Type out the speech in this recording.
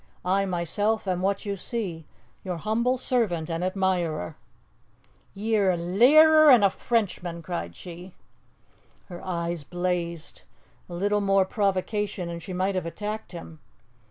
I myself am what you see your humble servant and admirer." "Ye're a leear and a Frenchman!" cried she. Her eyes blazed. A little more provocation, and she might have attacked him.